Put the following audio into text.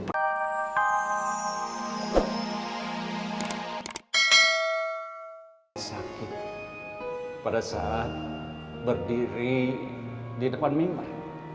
sakit pada saat berdiri di depan mimbar